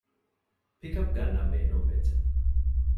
ޕިކަޕް ގަންނަން ބޭނުންވެއްޖެ